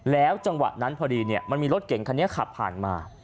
จังหวะนั้นพอดีมันมีรถเก่งคันนี้ขับผ่านมา